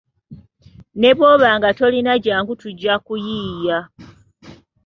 Ne bwoba nga tolina jjangu tujja kuyiiya.